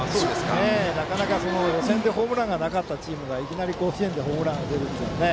なかなか予選でホームランがなかったチームがいきなり甲子園でホームランが出るというのがね。